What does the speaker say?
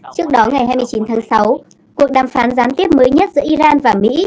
trước đó ngày hai mươi chín tháng sáu cuộc đàm phán gián tiếp mới nhất giữa iran và mỹ